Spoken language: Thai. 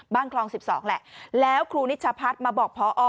บ้านคลองสิบสองแหละแล้วครูนิชชาพัฒน์มาบอกพอ